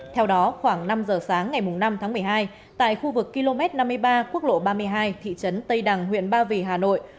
theo đó khoảng năm giờ sáng ngày năm tháng một mươi hai tại khu vực km năm mươi ba quốc lộ ba mươi hai thị trấn tây đằng huyện ba vì hà nội